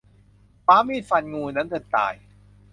คว้ามีดฟันงูนั้นจนตาย